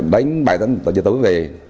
đến bảy tám giờ tối mới về